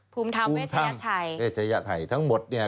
ภูมิธรรมเวชยชัยเวชยไทยทั้งหมดเนี่ย